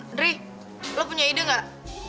andri lo punya ide gak